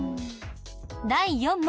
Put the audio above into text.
第４問。